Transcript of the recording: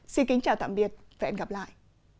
xin kính chào tạm biệt và hẹn gặp lại